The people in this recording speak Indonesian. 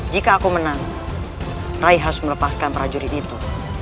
jika aku menang rai harus melepaskan para jurit itu